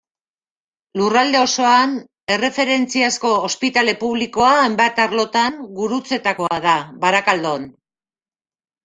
Lurralde osoan erreferentziazko ospitale publikoa hainbat arlotan Gurutzetakoa da, Barakaldon.